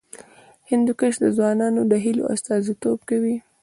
هندوکش د ځوانانو د هیلو استازیتوب کوي.